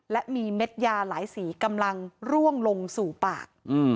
และมีเม็ดยาหลายสีกำลังร่วงลงสู่ปาก